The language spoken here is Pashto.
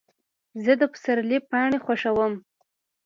زه د پسرلي پاڼې خوښوم.